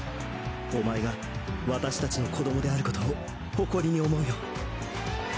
お前が私たちの子供であることを誇りに思うよ。